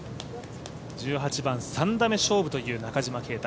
１８番、３打目勝負という中島啓太